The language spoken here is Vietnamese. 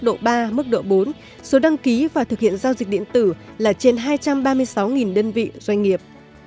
độ ba mức độ bốn số đăng ký và thực hiện giao dịch điện tử là trên hai trăm ba mươi sáu đơn vị doanh nghiệp